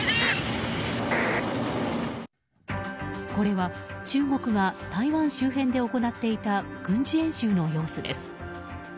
これは中国が台湾周辺で行っていた軍事演習の様子です。